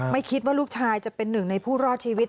ไม่คิดว่าลูกชายจะเป็นหนึ่งในผู้รอดชีวิต